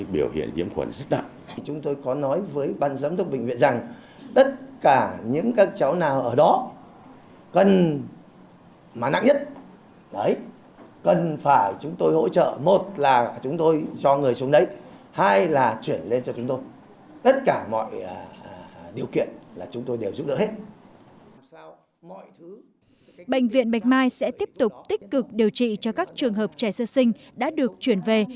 bệnh viện bạch mai sẽ tiếp tục tích cực điều trị cho các trường hợp trẻ sơ sinh đã được chuyển về